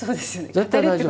絶対大丈夫。